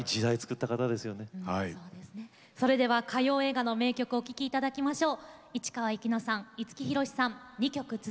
それでは歌謡映画の名曲お聴きいただきましょう。